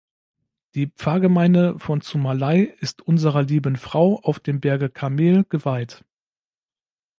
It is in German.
Die Pfarrgemeinde von Zumalai ist Unserer Lieben Frau auf dem Berge Karmel geweiht.